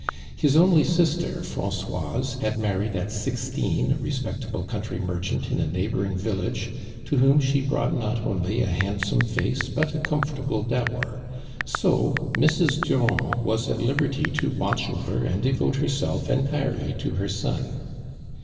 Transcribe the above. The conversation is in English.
His only sister, Francoise, had mar ried at sixteen a respectable country mer chant in a neighboring village, to whom she brought not only a handsome face but a comfortable dower ; so Mrs. Durand wa.< at liberty to watch over and devote her self entirely to her son.